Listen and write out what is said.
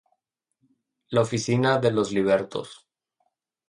La Oficina de los Libertos